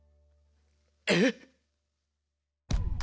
えっ？